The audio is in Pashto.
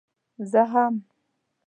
زه هم.